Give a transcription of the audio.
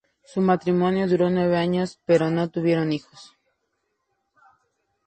Su matrimonio duró nuevo años pero no tuvieron hijos.